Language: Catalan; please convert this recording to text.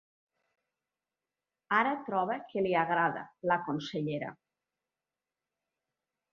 Ara troba que li agrada, la consellera.